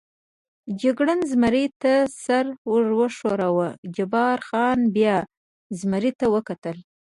جګړن زمري ته سر و ښوراوه، جبار خان بیا زمري ته وکتل.